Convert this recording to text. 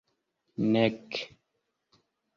nek